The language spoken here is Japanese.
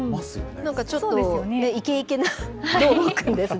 なんかちょっと、いけいけなどーもくんですね。